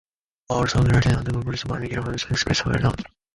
All songs written and composed by Mick Hucknall, except where noted.